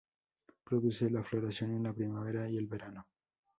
Produce la floración en la primavera y el verano.